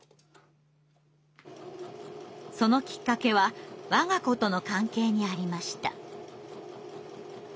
そのきっかけは我が子との関係にありました。